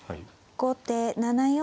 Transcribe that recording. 後手７四歩。